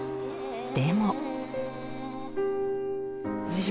でも。